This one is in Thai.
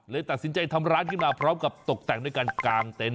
ตัดสินใจทำร้านขึ้นมาพร้อมกับตกแต่งด้วยการกางเต็นต